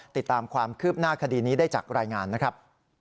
ติดตามความคืบหน้าคดีนี้ได้จากรายงานนะครับ